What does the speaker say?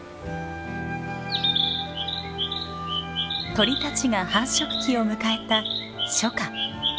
鳥たちが繁殖期を迎えた初夏。